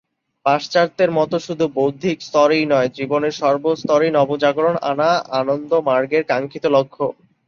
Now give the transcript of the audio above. পাশ্চাত্যের মতো শুধু বৌদ্ধিক স্তরেই নয়, জীবনের সর্বস্তরেই নবজাগরণ আনা আনন্দমার্গের কাঙ্ক্ষিত লক্ষ্য।